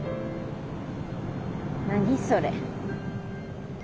何それ？